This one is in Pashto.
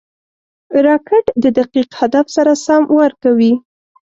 راکټ د دقیق هدف سره سم وار کوي